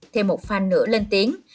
thêm một fan nữa lên tiếng